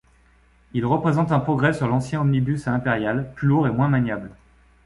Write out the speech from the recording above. Il représente un progrès sur l’ancien omnibus à impériale, plus lourd et moins maniable.